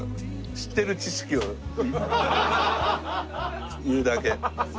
知ってる知識を言うだけ。